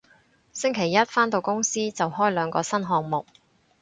星期一返到公司就開兩個新項目